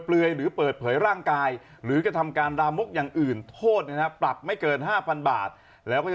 เปลือยหรือเปิดเผยร่างกายหรือกระทำการรามกอย่างอื่นโทษนะครับปรับไม่เกิน๕๐๐บาทแล้วก็จะ